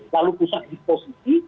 lalu pusat diposisi